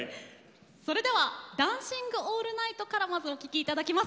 それでは「ダンシング・オールナイト」からまずお聴きいただきます。